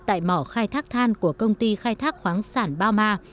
tại mỏ khai thác than của công ty khai thác khoáng sản baoma